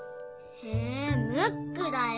えムックだよ。